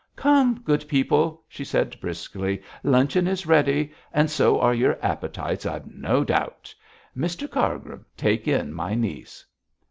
'Come, good people,' she said briskly, 'luncheon is ready; and so are your appetites, I've no doubt. Mr Cargrim, take in my niece.'